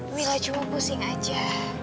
mila cuma pusing saja